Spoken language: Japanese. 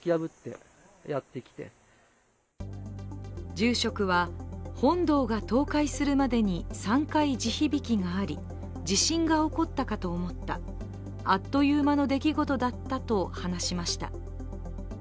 住職は本堂が倒壊するまでに３回地響きがあり、地震が起こったかと思った、あっという間の出来事だったと話しました。